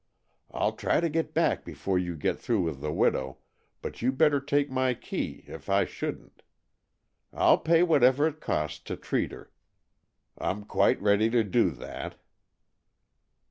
I'll try to get back before you get through with the widow, but you'd better take my key, if I shouldn't. I'll pay whatever it costs to treat her. I'm quite ready to do that."